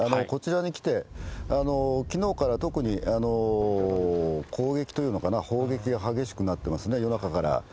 こちらに来て、きのうから特に攻撃というのかな、砲撃が激しくなってますね、夜中から。